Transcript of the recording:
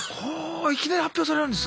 いきなり発表されるんですか。